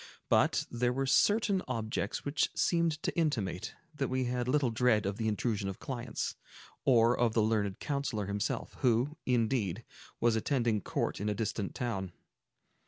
But there were certain objects which seemed to intimate that we had little dread of the intrusion of clients, or of the learned counsellor himself, who, indeed, was attending court in a distant town.